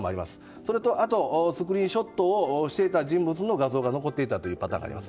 それと、スクリーンショットをしていた人物の画像が残っていたパターンがあります。